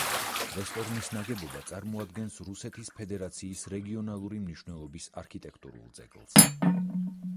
რესტორნის ნაგებობა წარმოადგენს რუსეთის ფედერაციის რეგიონალური მნიშვნელობის არქიტექტურულ ძეგლს.